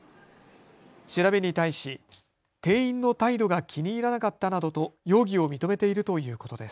調べに対し店員の態度が気に入らなかったなどと容疑を認めているということです。